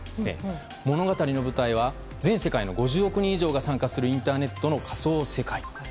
物語の舞台は全世界の５０億人以上が生活するインターネットの仮想世界。